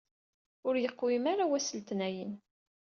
Ur yeqwim ara wass n letnayen.